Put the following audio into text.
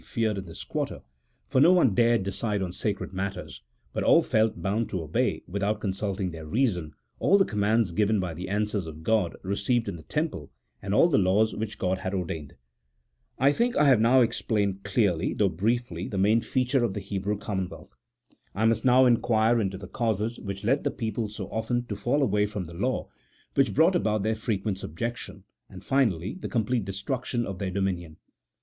feared in this quarter, for no one dared decide on sacred matters, but all felt bound to obey, without consulting their reason, all the commands given by the answers of G od received in the Temple, and all the laws which God had ordained. I think I have now explained clearly, though briefly, the main features of the Hebrew commonwealth. I must now inquire into the causes which led the people so often to fall away from the law, which brought about their frequent subjection, and, finally, the complete destruction of their dominion.